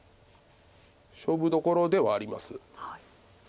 勝負どころではあります。